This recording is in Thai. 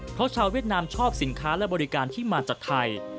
เพราะชาวเวียดนามชอบสินค้าและบริการที่มาจากไทย